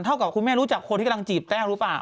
กับคุณแม่รู้จักคนที่กำลังจีบแต้วหรือเปล่า